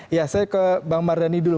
ya saya ke bang mardhani dulu